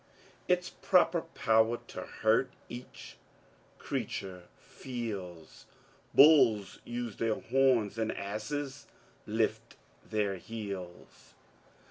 Its proper power to hurt each creature feels, Balis ose their horns and asses lift their heels.